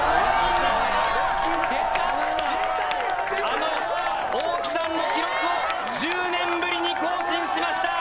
あの大木さんの記録を１０年ぶりに更新しました！